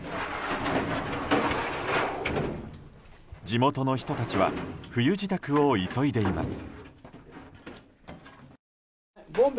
地元の人たちは冬支度を急いでいます。